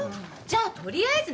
じゃあさ